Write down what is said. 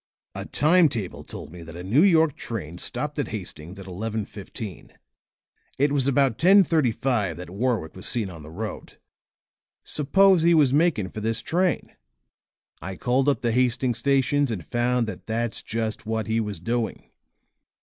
A time table told me that a New York train stopped at Hastings at 11:15. It was about 10:35 that Warwick was seen on the road. Suppose he was making for this train. I called up the Hastings station and found that that's just what he was doing.